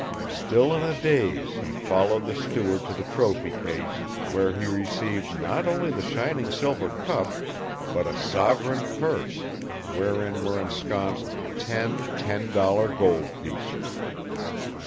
Still in a daze, he followed the steward to the trophy case, where he received not only the shining silver cup, but a "sovereign purse," wherein were ensconced ten ten dollar gold pieces.